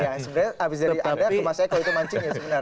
ya sebenarnya abis dari anda atau mas eko itu mancing ya sebenarnya